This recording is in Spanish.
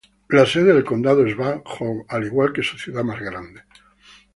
La sede del condado es Van Horn, al igual que su ciudad más grande.